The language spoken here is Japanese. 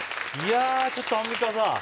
ちょっとアンミカさん。